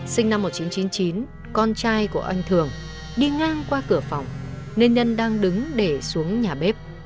sinh năm một nghìn chín trăm chín mươi chín con trai của anh thường đi ngang qua cửa phòng nên nhân đang đứng để xuống nhà bếp